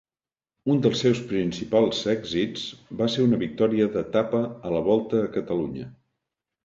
Un dels seus principals èxits va ser una victòria d'etapa a la Volta a Catalunya.